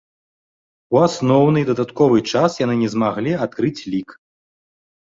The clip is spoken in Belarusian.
У асноўны і дадатковы час яны не змаглі адкрыць лік.